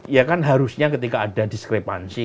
ya kan harusnya ketika ada diskrepansi